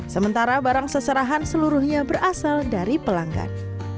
sementara barang seserahan seluruhnya berasal dari pelanggan